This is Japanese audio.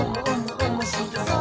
おもしろそう！」